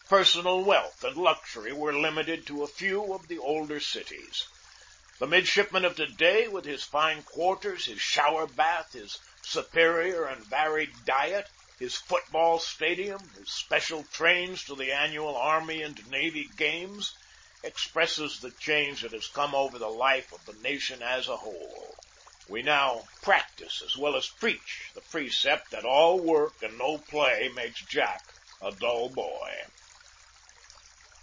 Personal wealth and luxury were limited to a few of the older cities. The midshipman of to day, with his fine quarters, his shower bath, his superior and varied diet, his foot ball stadium, his special trains to the annual army and navy games, expresses the change that has come over the life of the nation as a whole. We now prac tise as well as preach the precept that all work and no play makes Jack a dull boy.